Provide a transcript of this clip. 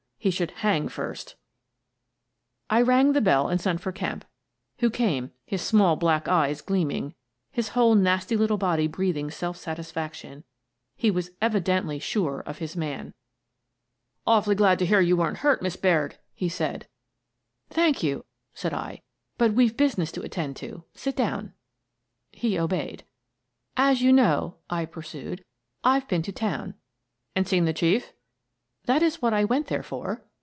He should hang first I rang the bell and sent for Kemp, who came, his small black eyes gleaming, his whole nasty little body breathing self satisfaction: he was evidently sure of his man. "Awfully glad to hear you weren't hurt, Miss Baird," he said. Kemp Learns the Truth 99 " Thank you," said I. " But we've business to attend to. Sit down." He obeyed. " As you know," I pursued, " I've been to town." "And seen the Chief?" " That is what I went there for."